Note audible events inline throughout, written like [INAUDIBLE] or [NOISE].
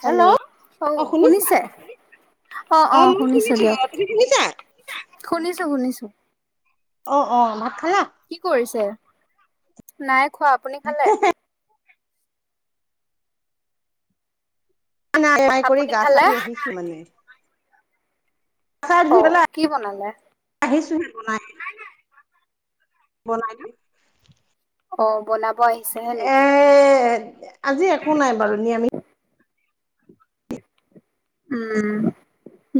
Hello অহ, অ শুনিছা শুনিছে? অহ', অ অহ মই শুনিছো দিয়ক। অ তুমি শুনিছা শুনিছোঁ-শুনিছোঁ। অহ', অহ' ভাত খালা? কি কৰিছে? নাই খোৱা আপুনি খালে? নাইা [UNINTELLIGIBLE] কৰি আপুনি গা-চা খালে ধুই আহিছো মানে। গা-চা অ ধুই পেলাই কি বনালে আহিছোহে বনাই। বনাই [UNINTELLIGIBLE] অ', বনাব আহিছেহে এ নেকি? আজি একো নাই বাৰু নিৰামিক। উম,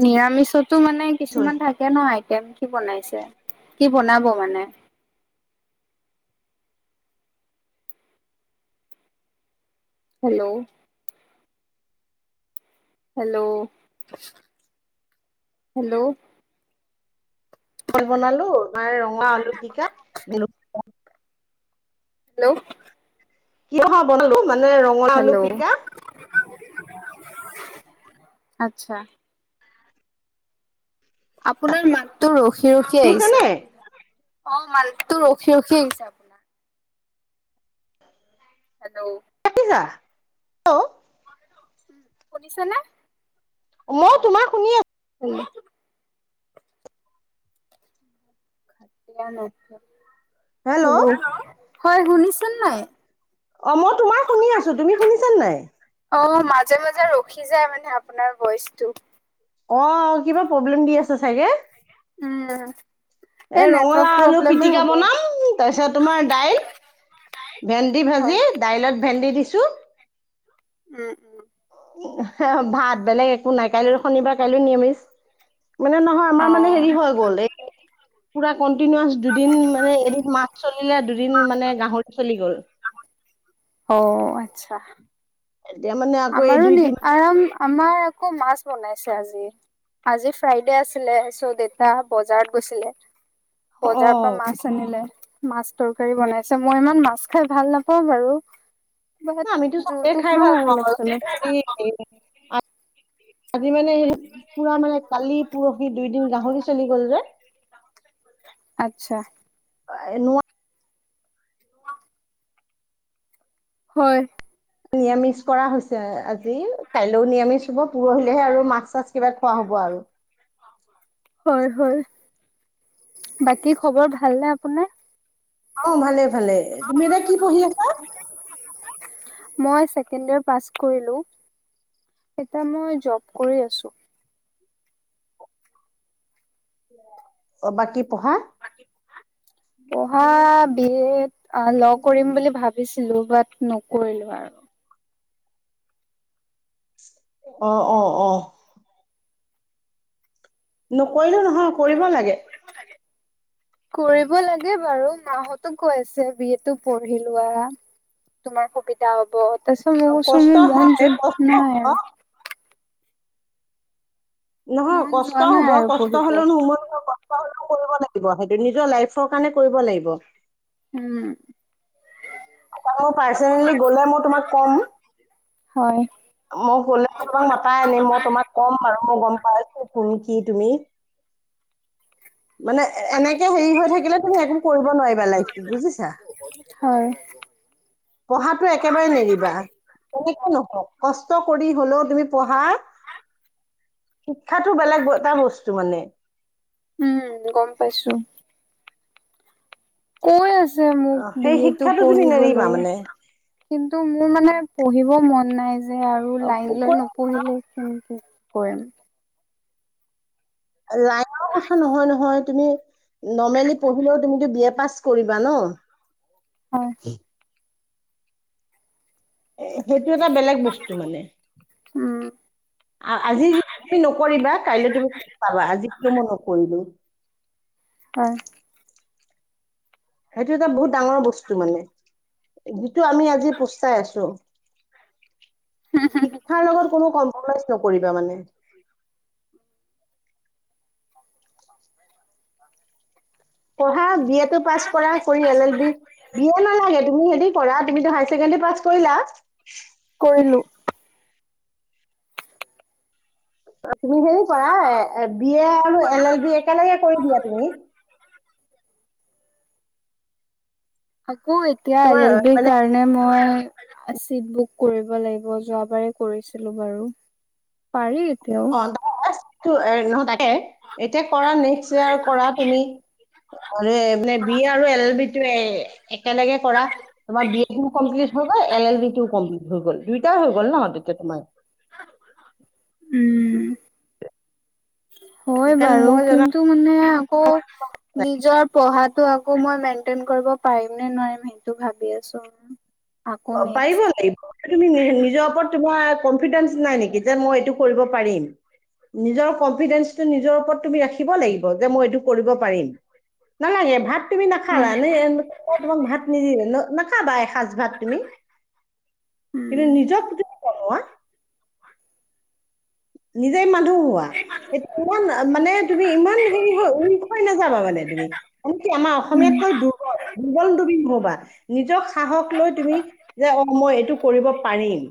নিৰামিষতো মানে কিছুমান থাক থাকে নহ আইটেম, কি বনাইছে কি বনাব মানে? হেল্ল'? হেল্ল'? হেল্ল'? বনাল, তাৰ ৰঙা আলু [UNINTELLIGIBLE] দিলো। হেল্ল'? [UNINTELLIGIBLE] হেল্ল'? পিটিকা আচ্ছা? আপোনাৰ মাতটো ৰখি ৰখি আহিছে, শুনিছানে অ', মাতটো ৰখি ৰখি আহিছে আপোনাৰ। হেল্ল'? [UNINTELLIGIBLE] শুনিছেনে? মই তোমাৰ শুনি আছ উম। হেল্ল'? হয়, শুনিছেনে নাই? অ', মই তোমাৰ শুনি আছো, তুমি শুনিছা নাই? অ', মাজে মাজে ৰখি যায়, মানে আপোনাৰ ভইচটো। অ', কিবা প্ৰব্লেম দি আছে চাগে? উম। এই নেটৱৰ্ক ৰঙালাউ আলু প্ৰব্লেমে পিটিকা হ'ব বনাম, তাৰপিছত তোমাৰ দাইল ভেন্দি ভাজি, হয়। দাইলত ভেন্দি দিছো। উম, উম। ভাত বেলেগ একো নাই, কাইলৈ শনিবাৰ কাইলৈ মিৰামিষ, মানে নহয় অ আমাৰ মানে হেৰি হৈ গ'ল এ পুৰা কণ্টিনোয়াচ দুদিন মানে, এদিন মাছ চলিলে, দুদিন মানে গাহৰি চলি গ'ল। অ', আচ্ছা। এতিয়া মানে আকৌ এই আমাৰো দুই নি তিনি আৰ-আমাৰ আকৌ মাছ বনাইছে আজি। আজি ফ্ৰাইডে আছিলে চ' দেউতা বজাৰত গৈছিলে, অ বজাৰৰ পৰা মাছ আনিলে, মাছ তৰকাৰী বনাইছে মই ইমান মাছ খাই ভাল নাপাওঁ বাৰু। বাট ন আমিতো চবেই জোলটো খাই খাওঁ ভাল আৰু পাওঁ অলপ চলপ। [UNINTELLIGIBLE] আজি মানে, হে পুৰা মানে কালি পৰহি দুইদিন গাহৰি চলি গ'ল যে আচ্ছা। [UNINTELLIGIBLE] নো হয়। নিৰামিষ কৰা হৈছে আজি, কাইলৈও নিৰামিষ হ'ব। পৰহিলেহে আৰু মাছ, চাছ কিবা খোৱা হ'ব আৰু। হয়, হয়, বাকী খবৰ ভালনে আপোনাৰ? অ', ভালে, ভালে। তুমি এতিয়া কি পঢ়ি আছা? মই ছেকেণ্ড ইয়াৰ পাঁচ কৰিলোঁ, এতিয়া মই যব কৰী আছোঁ। অ', বাকী পঢ়া? পঢ়া বি এড, আহ ল' কৰিম বুলি ভাব ভাবিছিলো, বাট নকৰিলো আৰু। অ', অ', অ'। নকৰিলো নহয়, কৰিব লাগে। কৰিব লাগে। কৰিব লাগে বাৰু, মাহতো কৈ আছে বি এটো পঢ়ি লোৱা। তোমাৰ সুবিধা হ'ব তাৰপিছত মই কৈছোঁ কষ্ট মোৰ মন হয় যোৱা কষ্ট নাই আৰু। হব নহয় মন কষ্ট যোৱা নাই হব আৰু কষ্ট পঢ়িব হলে নহ মোৰ হ'লেও কৰিব লাগিব সেইটো নিজৰ লাইফৰ কাৰণে কৰিব লাগিব। উম। ত মই পাৰ্চনেলি গলে মই তোমাক কম। হয় মই গ'লে তোমাক মাতাই আনিম মই তোমাক ক'ম বাৰু মই গম পাইছো শুন কি তুমি। [INAUDIBLE] মানে এনেকে হেৰি হৈ থাকিলে তুমি একো কৰিব নোৱাৰিবা লাইফটোত বুজিছা। হয়। পঢ়াতটো একেবাৰে নেৰিবা, তেনেকে নহক কষ্ট কৰি হলেও তুমি পঢ়া শিক্ষাতো বেলেগ এটা বস্তু মানে উম গম পাইছোঁ। কৈ আছে মোক অ বি সেই এটো শিক্ষাটো তুমি নেৰিবা পঢ়িবলৈ। মানে কিন্তু মোৰ মানে পঢ়িব মন নাই যে আৰু অ, লাইন প- লৈ ন কৈ- পঢ়িলে কেনেকৈ কৰিম। লাইফৰ কথা নহয় নহয় তুমি নৰ্মেলি পঢ়িলেও তুমিতো বি এ পাছ কৰিবা ন। হয়। সেইটো এটা বেলেগ বস্তু মানে। উম। আজি যিতো তুমি নকৰিবা কাইলৈ তুমি পাবা আজি মই নকৰিলো। হয়। সেইটো এটা বহুত ডাঙৰ বস্তু মানে। যিটো আমি আজি পোস্তাই আছোঁ। শিক্ষাৰ লগত কোনো কম্প্ৰমাইজ নকৰিবা মানে পঢ়া বি এ ট পাছ কৰা কৰি এ ল বি, বি‌ এ নালাগে তুমি হেৰি কৰা তুমিতো হায়াৰ ছেকেণ্ডী পাছ কৰিলা কৰিলো। তুমি হেৰি কৰা বি এ আৰু এল এল বি একেলগে কৰি দিয়া তুমি আকৌ এতিয়া এল তোমাৰ এলবি মানে কাৰণে মানে মই চিট বুক কৰিব লাগিব যোৱা বাৰে কৰিছিলো বাৰু। পাৰি এতিয়াও নহ তাকে এতিয়া কৰা নেক্সট ইয়াৰ কৰা তুমি আৰু মানে বি আৰু এল এল বি টো একেলগে কৰা তোমাৰ বি এ ও কমপ্লিট হৈ গ'ল এল এলি ও কমপ্লিট হৈ গ'ল দুইটাই হৈ গ'ল ন তেতিয়া তোমাৰ উম, হয় কাৰণ বাৰু মই কিন্তু টো মানে আকৌ নিজৰ পঢ়াত আকৌ মই মেইনটেইন কৰিব পাৰিম নে নোৱাৰিম সেইটো ভাবি আছোঁ। পাৰিব লাগিব তুমি নি নিজৰ ওপৰত তোমাৰ কনফিডেন্স নাই নেকি যে মই এইটো কৰিব পাৰিম। নিজৰ কনফিডেন্সটো নিজৰ ওপৰত তুমি ৰাখিব লাগিব যে মই এইটো কৰিব পাৰিম। নালাগে ভাত তুমি নাখালা ন এ তোমাক ভাত নিদিলে ন নাখাবা এসাজ ভাত তুমি কিন্তু উম নিজৰ প্ৰতি নিজেই মানুহ হোৱা। এতিয়া ইমান মানে তুমি ইমান হেৰি হৈ উইক হৈ নাযাবা মানে তুমি। মান কি আমাৰ উম, অসমীয়াতকৈ দুৰ দুৰ্বল দুৰ্বল তুমি নহবা নিজক সাহক লৈ তুমি যে অ', মই এইটো কৰিব পাৰিম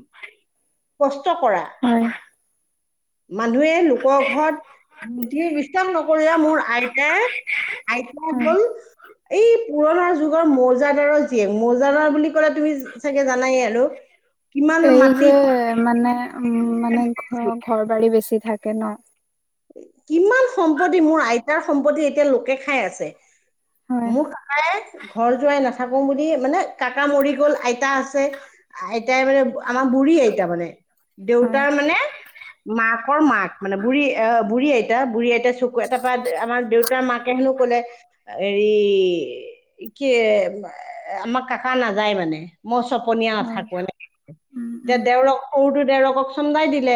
কষ্ট কৰা হয়। মানুহে লোকৰ ঘৰত বুঠি বিশাস নকৰিয়া মোৰ আইতাই আইতা হ'ল হয় এই পুৰণা যুগৰ মৌজাদাৰৰ মৌজাদাৰ বুলি কলে তুমি চাগে জানাইে আৰু কিমান এই মাটি যে সম্পত্তি, মানে উ মানে ঘ ঘৰ বাৰী বেছি থাকে ন কিমান সম্পত্তি মোৰ আইতাৰ সম্পত্তি এতিয়া লোকে খাই আছে হয় মোৰ কাকাই ঘৰ যোৱাই নাথাকো বুলি মানে কাকা মৰি গল আইতা আছে আইটাই মানে আমাৰ বুঢ়ী আইতা মানে হয় দেউতাৰ মানে মাকৰ মাক মানে বুঢ়ী অ বুঢ়ী আইতা বুঢ়ী আইতা চক তাৰপৰা আমাৰ দেউতাৰ মাকে হেনো কলে হেৰি কি আমাক কাকা নাযায় মানে মই চপনীয়া হয় নাথাকো এনেক উম এতি উম দেউৰক উৰুটো দেউৰকক চমন্দাই দিলে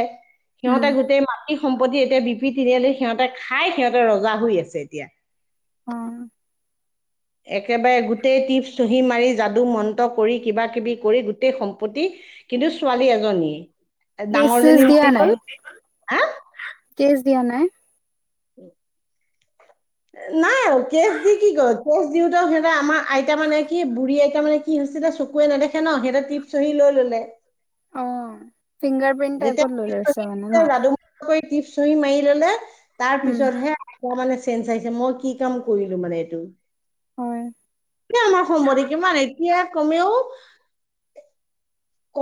উম সিহঁতে গোটেই মাটি সম্পত্তি এতিয়া বিপি তিনিআলি সিহঁতে খাই সিহঁতে ৰজা হৈ আছে এতিয়া অ একেবাৰে গোটেই টিপ চুহি মাৰি যাদু মন্ত কৰি কিবা কিবি কৰি গোটেই সম্পত্তি কিন্তু ছোৱালী এজনী কেছ চেচ দিয়া নাই হা কেচ দিয়া নাই [UNINTELLIGIBLE] [UNINTELLIGIBLE] নাই আৰু কেচ দি কি কয় কেচ দিওতে সিহততে আমাৰ আইতা মানে কি বুঢ়ী আইতা মানে কি কি হৈছিলে চকুৱে নেদেখে ন সেই টিপ চহি লৈ ল'লে অ ফিংগাৰ প্ৰিন্ট যেতিয়া টাইপত লৈ প লৈছে মানে ন চহতিয়া লাদুম কৰি টিপ চহি মাৰি ললে তাৰ উম পিছতহে ক মানে চেঞজ আহিছে মই কি কাম কৰিলো মানে এইটো হয় এয়া আমাৰ সম্বৰ্ কিমানান এতিয়া কমেও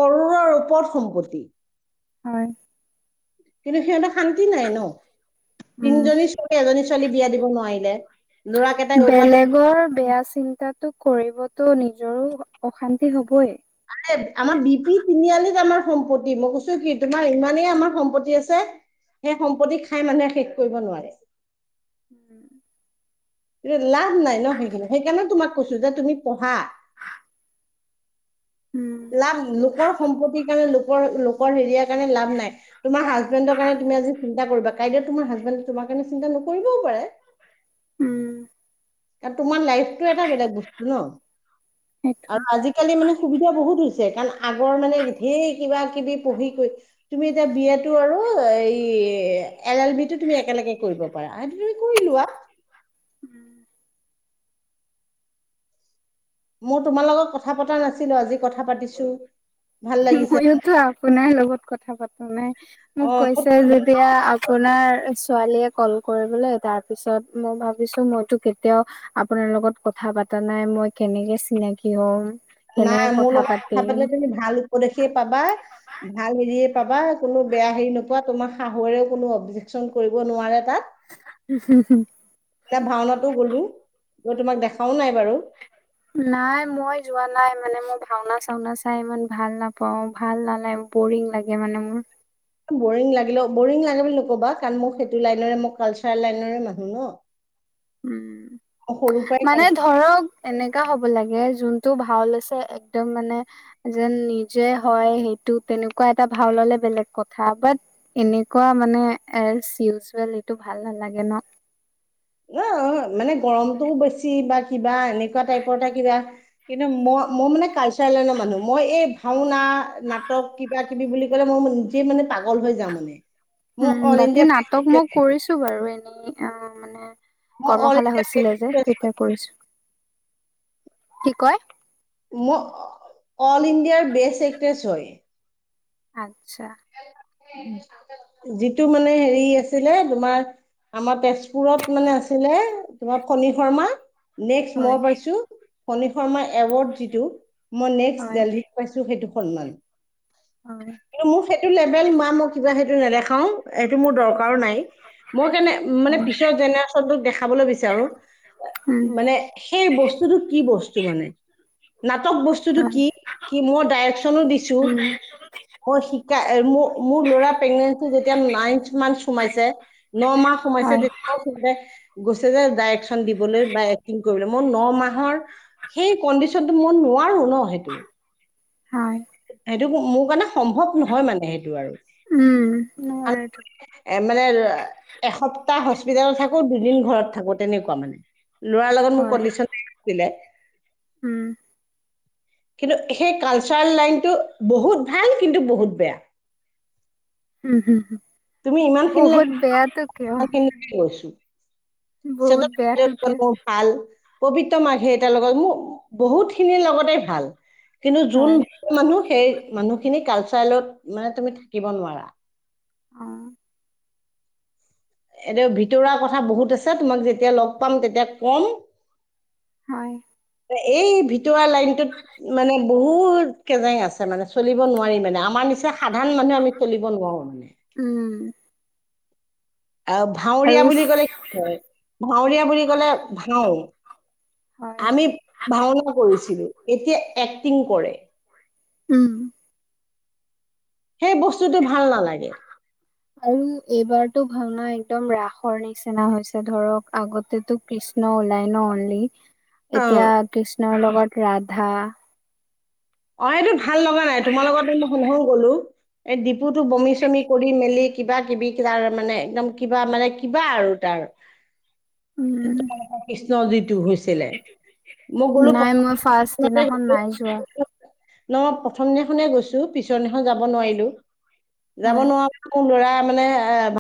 কৰোৰৰ ৰূপৰত সম্পত্তি হয় কিন্তু সিহঁতে শান্তি নাই ন উম তিনিজনী ছোৱালী এজনী ছোৱালী বিয়া দিব নোৱাৰিলে ল'ৰাকেইটাই পাতো বৰ বেয়া চিন্তাটো কৰিবতো নিজৰো অশান্তি হ'বই আ আমাৰ বি পি তিনিআলিত আমাৰ সম্পত্তি মই কৈছো কি তোমাৰ ইমানেই আমাৰ সম্পত্তি আছে সেই সম্পত্তি খাই মানুহে শেষ কৰিব নোৱাৰে উম লাভ নাই ন সেইখিনি সেইকাৰণে তোমাক কৈছো যে তুমি পঢ়া উম লাভ লোকৰ সম্পত্তিৰ কাৰণে লোকৰ লোকৰ হেৰিয় লাভ নাই তোম হাজবেণ্ডৰ কাৰণ তুমি আজিন্তা কৰিবা কাইেউ তোম হাজবেণ্ড তোমাৰ কাৰণ চিন্তা কৰিবও পাৰে উম কাৰ তোমাৰ লাইফটো এটা বেলেগ বস্তু ন সেইটোৱে আৰু আজি আজিকালি মানে সুবিধা বহুত হৈছে কাৰণ আগৰ মানে ধেৰ কিবা কিবি পঢ়ি কৰিৈ তুমি এতিয়া বিয়াটো আৰু এই এল এল বি টো তুমি একেলগে কৰিব আটো তুমি কৰিলোৱাৱা উম মই তোমাৰ লগত কথা পতা নাছিলো আজি কথা পাতিছো ভাল লাগিছে ময়োতো আপোনাৰ লগত কথা পাতো নাই মোক অ কৈছে যে এতিয়া আপোনাৰ ছোৱালীয়ে কল কৰিবলৈ তাৰপিছত মই ভাবিছোঁ মইতো কেতিয়াও আপোনাৰ লগত কথা পাতা নাই মই কেনেকে চিনাকি হম কেনেকে নাই মোৰ লগত কথা পাতিম। পাতিলে তুমি ভাল উপদেশে পাবা ভাল হেৰিয়ে পাবা কোনো বেয়া হেৰি নোপোৱা তোমাৰ শাহুৰেও কোনো অবজেক্যন কৰিব নোৱাৰে তাত উ হুম হুম এয়া ভাওনাাতো গ'লো গ তোমাক দেখাও নাই বাৰু নাই মই যোৱা নাই মানে মই ভাওনা চাওনা চাই ইমান ভাল নাপাওঁও ভাল নালাগে বৰিং লাগে মানে মোৰ বৰিং লাগিলে বৰিং লাগে বুলি নকবা কাৰণ মোক সেইটো লাইনে মই কালচাৰেল লাইনে মানুহ ন মই উম, সৰুৰ পৰাই মানে কালচাৰ ধৰক এনেকা হ'ব লাগে যোনটো ভাল আছে একদম মানে যেন নিজে হয় সেইটো তেনেকুৱা এটা ভাল ললে বেলেগ কথা বাট এনেকুৱা মানে, এ ইউজুৱেল এইটো ভাল নালাগে ন ন মানে, গৰমটোও বেছি বা কিবা এনেকুৱা টাইপৰ এটা কিবা কিন্তু মই মই মানে কালচাৰেলনৰ মানুহ মই এই ভাওনা নাটক কিবা কিবি বুলি কলে মই নিজে মানে পাগল হৈ যাওঁ মানে মই উম, অল বাকী ইণ্ডিয়া নাটক মই কৰিছো বাৰু এনেই অ', মানে মই অল কৰ্মশালা ইণ্ডিয়া হৈছিলে যে, তেতিয়া কৰিছো কি কয় মই, অল ইণ্ডিয়াৰ বেষ্ট এক্ট্ৰেছ হয় আচ্ছা, যিটো মানে, হেৰি আছিলে তোমাৰ আমাৰ তেজপুৰত মানে আছিলে তোমাৰ ফণী শৰ্মা নেক্সট মই হয় পাইছোঁ, ফণী শৰ্মা এৱাৰৰ্ড যিটো মই নেক্সট হয় ডেল পাইছো, সেইটো সন্মান হয়, কিন্তু, মোক সেইটো লেভেল মোৱা মই কিবা সেইটো নেদেখাও এইটো মোৰ দৰকাৰো নাই মই কাৰণে মানে হয় পিছৰ জেনেৰেশচনটোক দেখাবলৈ বিচাৰো উম মানে সেই বস্তুটো কি বস্তু মানে নাটক বস্তু [UNINTELLIGIBLE] হয় কি কি মই ডাইৰেকচন দিছো উম মই শিকা ম মোৰ ল'ৰা প্ৰেগনেঞ্চি যেতিয়া নাইন্থ মান সোমাইছে ন মাহ সোমাইছে হয় গৈছে যে ডাইৰেকচন দিবলৈ বা এক্টিং কৰিবলৈ মোৰ ন মাহৰ সেই, কণ্ডিশনতটো মই নোৱাৰো ন সেইটো হয়, সেইটো, মোৰ কাৰণে সম্ভৱ নহয় মানে সেইটো আৰু উম, ন ভাল- এইটো এ মানে, এসপ্তাহ হস্পিতেলত থাকো দুদিন ঘৰত থাকো তেনেকুৱা মানে লৰাৰ লগত মোৰ হয় কণ্ডিশন [UNINTELLIGIBLE] আছিলে উম, কিন্তু, সেই কালচাৰেল লাইনতটো বহুত ভাল কিন্তু বহুত বেয়া উম, হুম হ বহুত বেয়াটো কিয়? [UNINTELLIGIBLE] ছো বহুত বেয়াটো কিয় ভাল। পবিত্ৰ মাৰ্ঘেৰিটাৰ লগত মোৰ বহুতখিনিৰ লগতে ভাল। কিন্তু, যোন হয় মানুহ সেই মানুহখিনি কালচাৰেলত মানে তুমি থাকিব নোৱাৰা। অ', এদ ভিতৰুৱাৰ কথা বহুত আছে তোমাক যেতিয়া লগ পাম তেতিয়া ক'ম হয়। এই, ভিতৱা লাইনটোত মানে বহুত কজেং আছে মানে চলিব নোৱাৰি মানে আমাৰ নিচি সাধাৰণ মানুহে আমি চলিব নোৱাৰো মানে উম, আৰু ভাৱৰীয়া আৰু বুলি কলে কি হয় ভাাৱৰীয়া বুলি কলে ভাও হয় আমি ভাওনা কৰিছিলো এতিয়া এক্টিং কৰে। উম, সেই, বস্তুতটো ভাল নালাগে। অ', আৰু এইবাৰতো ভাওনা একদম ৰাসৰ নিচিনা হৈছে ধৰক আগতে কৃষ্ণ ওলাই ন অনলি, অ এতিয়া কৃষ্ণৰ লগত ৰাধা অ', ইটো ভাল লগা নাই তোমাৰ লগতে মই সহো গ'লো এই ডিপুতটো বমি চমি কৰি মেলি কিবা কিবি তাৰ মানে একদম কিবা মানে কিবা আৰু তাৰ উম তোমাৰ কৃষ্ণ যিটো হৈছিলে মই গ'লো প্ৰথতে গলো বজা নই প্ৰথম দিনাখনে গৈছো পিছৰ দিনাখন যাব নোৱাৰিলো যাব হয় নোৱাৰো ক ল'ৰা মানে এ